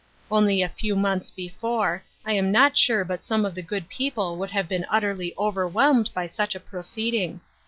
Only a few months before, I am not sure but some of the good peo ple would have been utterly overwhelmed by such a proceeding.